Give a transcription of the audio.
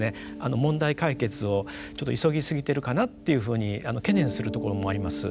問題解決をちょっと急ぎすぎてるかなっていうふうに懸念するところもあります。